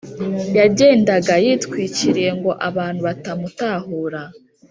Yagendaga yitwikiriye ngo abantu batamutahura